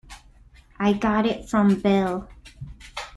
I got it from Bill.